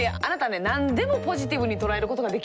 何でもポジティブに捉えることができるのね。